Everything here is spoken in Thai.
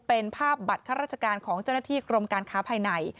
เป็นภาพบัตรข้าราชการของเจ้าหน้าที่กรมการค้าภายใน